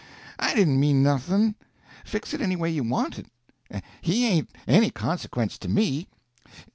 I didn't mean nothing. Fix it any way you want it. He ain't any consequence to me.